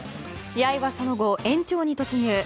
試合はその後延長に突入。